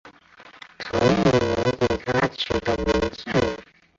讨厌我给她取的名字